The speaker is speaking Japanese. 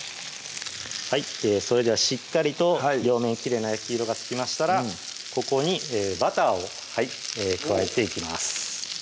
それではしっかりと両面きれいな焼き色がつきましたらここにバターを加えていきます